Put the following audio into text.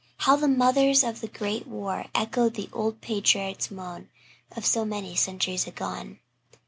How the mothers of the Great War echoed the old Patriarch's moan of so many centuries agone!